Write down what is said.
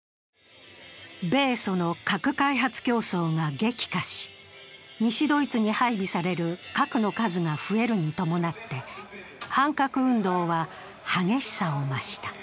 米ソの核開発競争が激化し西ドイツに配備される核の数が増えるに伴って反核運動は激しさを増した。